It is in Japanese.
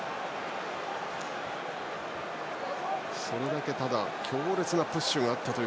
それだけ、ただ強烈なプッシュがあったという。